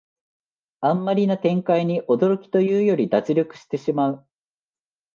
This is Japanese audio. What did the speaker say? あんまりな展開に驚きというより脱力してしまう